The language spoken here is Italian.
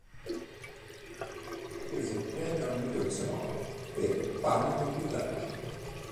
Perse il premio al miglior sonoro per "Panico al villaggio".